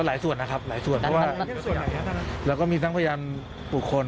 ก็หลายส่วนนะครับหลายส่วนเพราะว่าแล้วก็มีทั้งพยายามปลูกคน